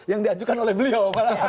yang diajukan oleh beliau